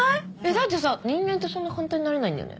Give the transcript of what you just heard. だってさ人間ってそんな簡単になれないんだよね？